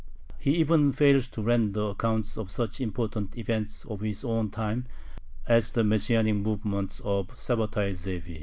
He even fails to render account of such important events of his own time as the Messianic movement of Sabbatai Zevi.